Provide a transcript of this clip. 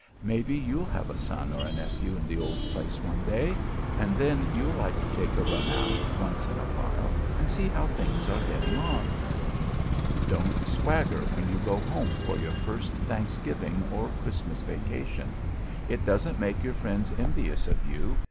Maybe you'll have a son or a nephew in the old place one day; and then you'll like to take a run out, once in a while, and see how things are getting on. [Sidenote: SHOWING OFF AT HOME] Don't swagger when you go home for your first Thanksgiving or Christmas vacation. It doesn't make your friends envious of you.